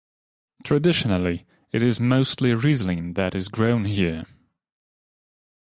Traditionally, it is mostly Riesling that is grown here.